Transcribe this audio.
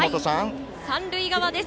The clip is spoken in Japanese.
三塁側です。